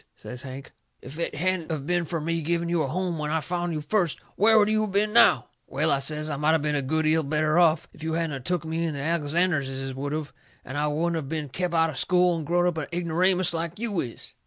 says Hank. "If it hadn't of been fur me giving you a home when I found you first, where would you of been now?" "Well," I says, "I might of been a good 'eal better off. If you hadn't of took me in the Alexanderses would of, and then I wouldn't of been kep' out of school and growed up a ignoramus like you is."